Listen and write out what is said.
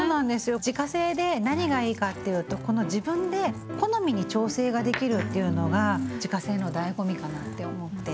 自家製で何がいいかっていうとこの自分で好みに調整ができるっていうのが自家製のだいご味かなって思って。